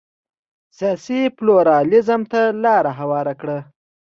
سیاسي پلورالېزم ته لار هواره کړه.